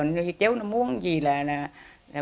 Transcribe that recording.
giờ cháu muốn mua gì là